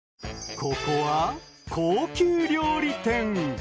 ここは高級料理店。